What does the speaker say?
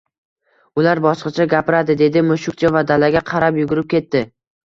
Ular boshqacha gapiradi, dedi mushukcha va dalaga qarab yugurib ketdi